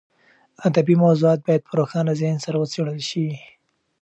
ادبي موضوعات باید په روښانه ذهن سره وڅېړل شي.